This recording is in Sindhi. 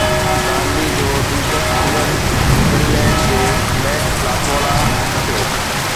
ڪارلي جو دلچسپ ايونٽ فنلينڊ جي ميٽ لاتوالا کٽيو